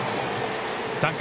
３回。